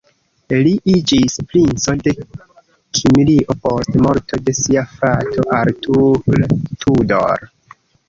Li iĝis Princo de Kimrio post morto de sia frato Arthur Tudor.